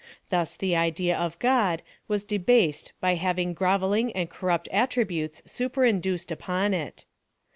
Thus the idea of God was debased by hav ing grovelling and corrupt attributes superinduced upon it.